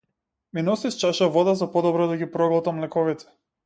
Ми носиш чаша вода за подобро да ги проголтам лековите.